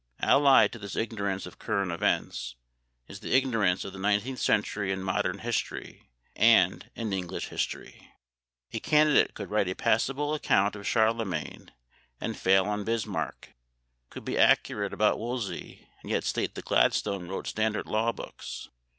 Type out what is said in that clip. Allied to this ignorance of current events, is the ignorance of the nineteenth century in Modern history and in English history. A candidate could write a passable account of Charlemagne and fail on Bismarck, could be accurate about Wolsey and yet state that Gladstone wrote standard law books.